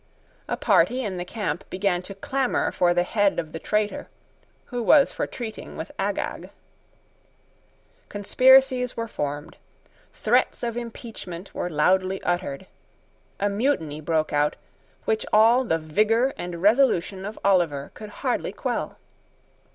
A party in the camp began to clamour for the head of the traitor, who was for treating with Agag. Conspiracies were formed. Threats of impeachment were loudly uttered. A mutiny broke out, which all the vigour and resolution of Oliver could hardly quell.